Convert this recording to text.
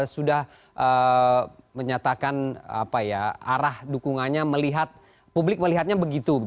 sudah menyatakan arah dukungannya melihat publik melihatnya begitu